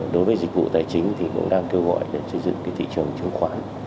đối với dịch vụ tài chính thì cũng đang kêu gọi để xây dựng thị trường chứng khoán